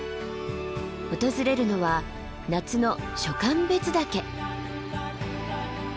訪れるのは夏の暑寒別岳。